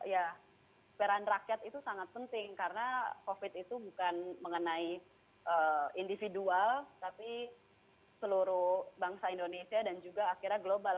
ya peran rakyat itu sangat penting karena covid itu bukan mengenai individual tapi seluruh bangsa indonesia dan juga akhirnya global